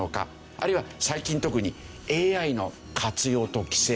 あるいは最近特にＡＩの活用と規制。